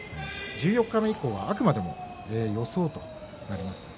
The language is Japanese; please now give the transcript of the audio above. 十四日目以降は、あくまでも予想ということになります。